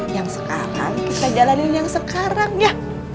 yang sekarang kita jalani sekarang ya